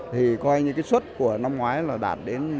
thì coi như cái xuất của năm ngoái là đạt đến